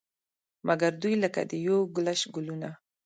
مګر دوی لکه د یو ګلش ګلونه.